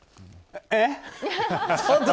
えっ？